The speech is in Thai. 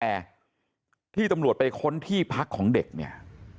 แอร์ที่ตำรวจไปค้นที่พักของเด็กเนี่ย